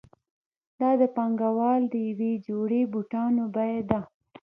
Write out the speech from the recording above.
دا د پانګوال د یوې جوړې بوټانو بیه ده